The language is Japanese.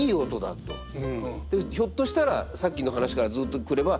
ひょっとしたらさっきの話からずっと来れば